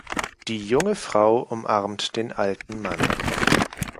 Die junge Frau umarmt den alten Mann.